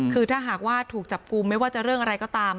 คือถ้าหากว่าถูกจับกลุ่มไม่ว่าจะเรื่องอะไรก็ตาม